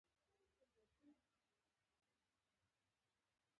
مزارشریف د افغانستان د سیاسي جغرافیې یوه خورا مهمه برخه ده.